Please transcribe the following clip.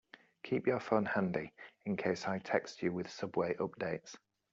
Keep your phone handy in case I text you with subway updates.